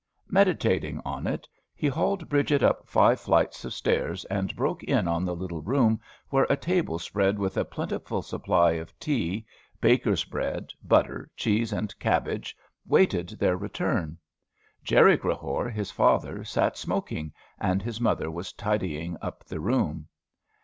Meditating on it, he hauled Bridget up five flights of stairs and broke in on the little room where a table spread with a plentiful supply of tea, baker's bread, butter, cheese, and cabbage, waited their return. Jerry Crehore, his father, sat smoking, and his mother was tidying up the room.